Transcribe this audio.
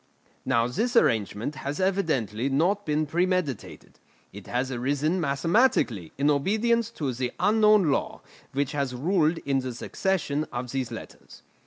Now this arrangement has evidently not been premeditated; it has arisen mathematically in obedience to the unknown law which has ruled in the succession of these letters.